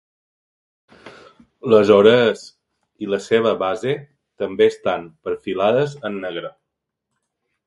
Les orelles i la seva base també estan perfilades en negre.